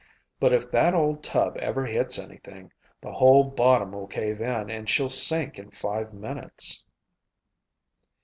But if that old tub ever hits anything, the whole bottom will cave in and she'll sink in five minutes."